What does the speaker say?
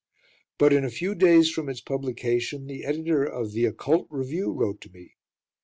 But in a few days from its publication the editor of The Occult Review wrote to me.